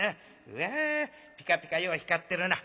うわピカピカよう光ってるな。